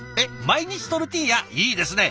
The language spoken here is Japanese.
毎日トルティーヤ？いいですね！